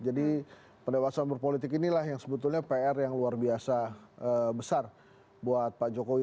jadi pendewasaan berpolitik inilah yang sebetulnya pr yang luar biasa besar buat pak jokowi